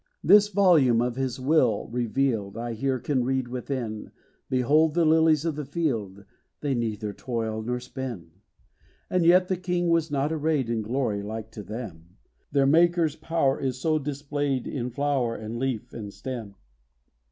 This volume of his will revealed I here can read within, "Behold the lilies of the field They neither toil nor spin!" And yet the king "was not arrayed In glory, like to them;" Their Maker's power is so displayed In flower and leaf and stem.